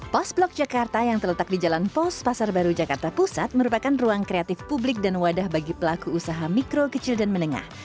pos blok jakarta yang terletak di jalan pos pasar baru jakarta pusat merupakan ruang kreatif publik dan wadah bagi pelaku usaha mikro kecil dan menengah